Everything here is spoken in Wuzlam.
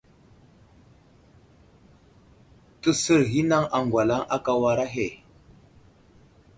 Təsər ghinaŋ aŋgwalaŋ aka war ahe.